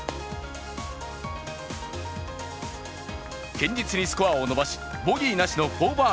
堅実にスコアを伸ばしボギーなしの２アンダー。